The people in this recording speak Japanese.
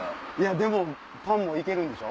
でもパンも行けるんでしょ？